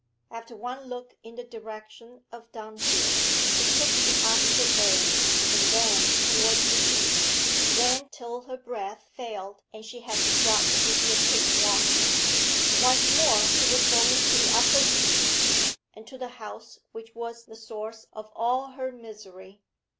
After one look in the direction of Dunfield, she took the opposite way, and ran towards the Heath, ran till her breath failed and she had to drop into a quick walk. Once more she was going to the Upper Heath, and to the house which was the source of all her misery.